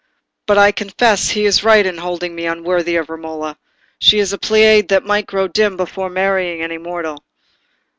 But I confess he is right in holding me unworthy of Romola; she is a Pleiad that may grow dim by marrying any mortal."